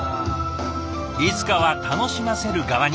いつかは楽しませる側に。